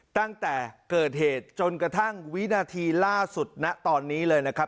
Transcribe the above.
ตั้งแต่เกิดเหตุจนกระทั่งวินาทีล่าสุดณตอนนี้เลยนะครับ